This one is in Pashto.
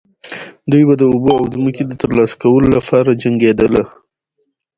دوی به د اوبو او ځمکې د ترلاسه کولو لپاره جنګیدل.